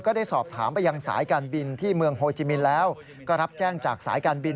ได้สอบถามไปยังสายการบินที่เมืองโฮจิมินแล้วก็รับแจ้งจากสายการบิน